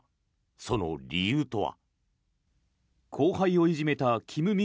その理由とは。